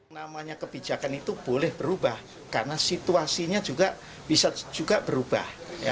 namanya kebijakan itu boleh berubah karena situasinya juga bisa juga berubah